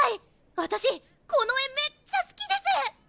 私この絵めっちゃ好きです！